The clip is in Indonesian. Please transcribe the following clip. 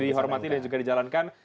dihormati dan juga dijalankan